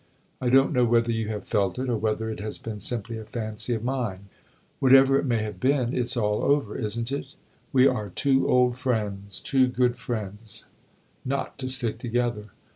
I don't know whether you have felt it, or whether it has been simply a fancy of mine. Whatever it may have been, it 's all over, is n't it? We are too old friends too good friends not to stick together.